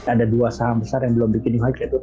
ada dua saham besar yang belum bikin hype yaitu